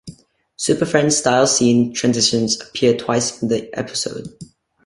"Super Friends"-style scene transitions appear twice in the episode.